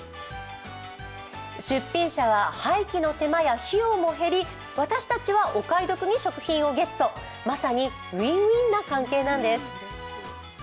出品者は廃棄の手間や費用も減り私たちはお買い得に食品をゲットまさにＷｉｎ−Ｗｉｎな関係なんです。